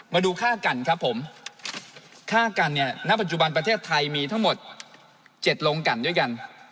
มาดูฆ่ากันครับผมฆ่ากันเนี่ยณปัจจุบันประเทศไทยมีทั้งหมด๗โรงกันด้วยกัน